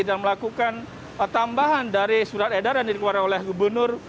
dan melakukan tambahan dari surat edaran yang dikeluarkan oleh gubernur